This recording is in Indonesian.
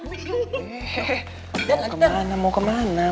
eh mau kemana